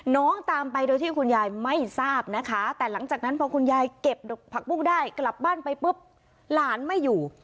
น้องตามไปโดยที่คุณยายไม่ทราบนะคะแต่หลังจากนั้นพอคุณยายเก็บผักปุ้งได้กลับบ้านไปปุ๊บหลานไม่อยู่